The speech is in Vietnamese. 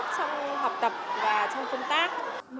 trong học tập và trong công tác